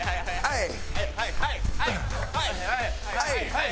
はい。